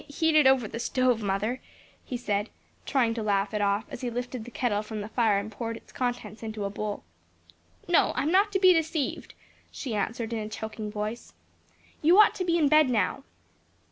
"Heated over the stove, mother," he said, trying to laugh it off, as he lifted the kettle from the fire and poured its contents into a bowl. "No, I am not to be deceived," she answered in a choking voice, "you ought to be in bed now."